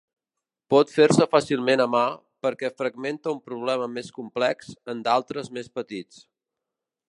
Pot fer-se fàcilment a mà, perquè fragmenta un problema més complex en d'altres més petits.